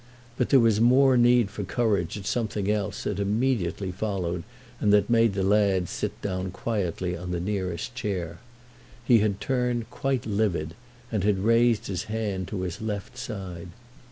But there was more need for courage at something else that immediately followed and that made the lad sit down quietly on the nearest chair. He had turned quite livid and had raised his hand to his left side.